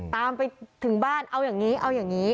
ตามไปถึงบ้านเอาอย่างนี้เอาอย่างนี้